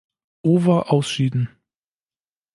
Over ausschieden.